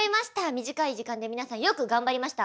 短い時間で皆さんよく頑張りました。